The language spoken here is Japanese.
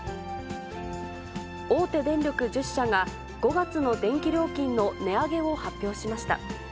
大手電力１０社が、５月の電気料金の値上げを発表しました。